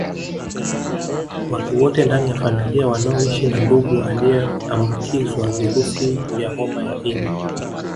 Watu wote ndani ya familia wanaoshi na ndugu aliyeambukizwa virusi vya homa ya ini